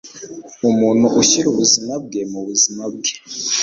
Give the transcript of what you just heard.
umuntu ushyira ubuzima bwe mu buzima bwe